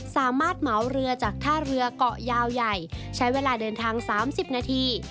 สามารถเหมาเรือจากท่าเรือเกาะยาวใหญ่ใช้เวลาเดินทาง๓๐นาที